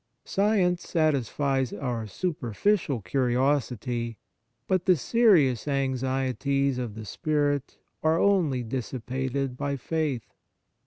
Science satisfies our superficial curios ity, but the serious anxieties of the spirit are only dissipated by faith.